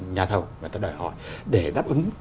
nhà thầu người ta đòi hỏi để đáp ứng